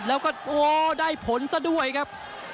แล้วก็โอ้ได้ผลซะด้วยครับ